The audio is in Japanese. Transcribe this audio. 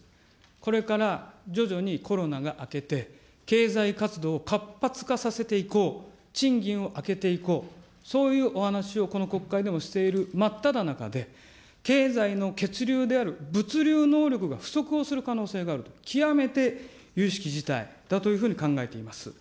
これから徐々にコロナが明けて、経済活動を活発化させていこう、賃金を上げていこう、そういうお話をこの国会でもしている真っただ中で、経済の血流である物流能力が不足をする可能性があると、極めてゆゆしき事態だというふうに考えています。